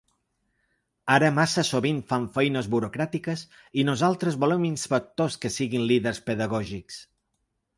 Ara massa sovint fan feines burocràtiques i nosaltres volem inspectors que siguin líders pedagògics.